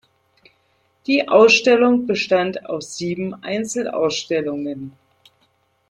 Die Ausstellung bestand aus sieben Einzelausstellungen.